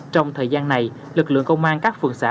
trong thời gian này lực lượng công an các phường xã